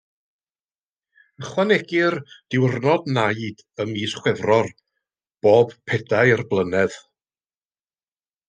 Ychwanegir diwrnod naid ym mis Chwefror bob pedair blynedd.